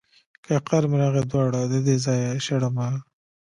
که قار مې راغی دواړه ددې ځايه شړمه.